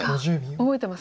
覚えてます。